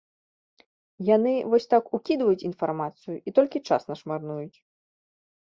Яны вось так укідваюць інфармацыю і толькі час наш марнуюць.